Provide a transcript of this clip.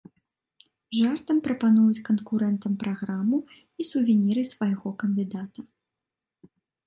Жартам прапануюць канкурэнтам праграму і сувеніры свайго кандыдата.